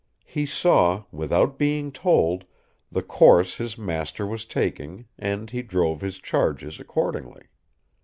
He saw, without being told, the course his master was taking, and he drove his charges accordingly.